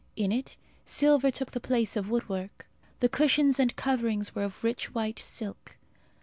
In it silver took the place of woodwork. The cushions and coverings were of rich white silk.